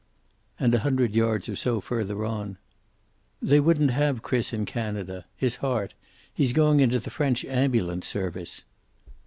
And, a hundred yards or so further on, "They wouldn't have Chris in Canada. His heart. He's going into the French Ambulance service."